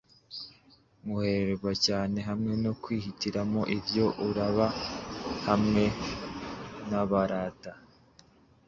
kworoherwa cyane hamwe no kwihitiramwo ivyo uraba hamwe n'abarata